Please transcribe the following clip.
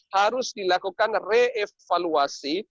harus dilakukan re evaluasi